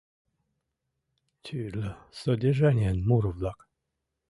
ТӰРЛӦ СОДЕРЖАНИЯН МУРО-ВЛАК.